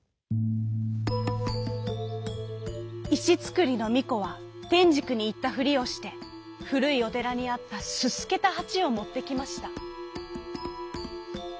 いしつくりのみこはてんじくにいったふりをしてふるいおてらにあったすすけたはちをもってきました。